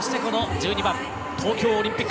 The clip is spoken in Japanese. １２番東京オリンピック